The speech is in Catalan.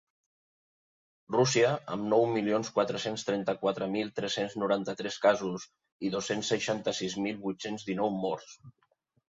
Rússia, amb nou milions quatre-cents trenta-quatre mil tres-cents noranta-tres casos i dos-cents seixanta-sis mil vuit-cents dinou morts.